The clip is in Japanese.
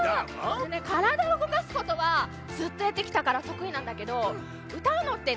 からだをうごかすことはずっとやってきたからとくいなんだけどうたうのってね